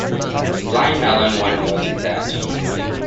"Blind Melon" went multi-platinum.